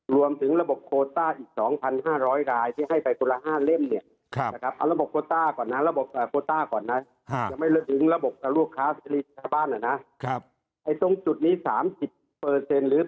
รวมถึงระบบโปรต้าอีก๒๕๐๐รายที่ให้ไปคนละ๕เส้นเนื้อ